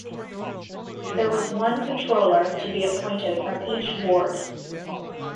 There was one Controller to be appointed from each ward.